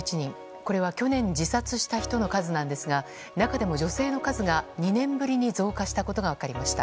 これは去年自殺した人の数なんですが中でも女性の数が２年ぶりに増加したことが分かりました。